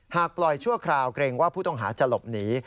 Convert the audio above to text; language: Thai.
ปล่อยชั่วคราวเกรงว่าผู้ต้องหาจะหลบหนี